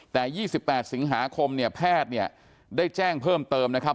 แต่๒๘สิงหาคมเนี่ยแพทย์เนี่ยได้แจ้งเพิ่มเติมนะครับ